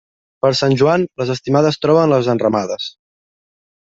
Per Sant Joan, les estimades troben les enramades.